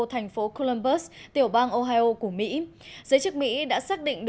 thành phố clounburg tiểu bang ohio của mỹ giới chức mỹ đã xác định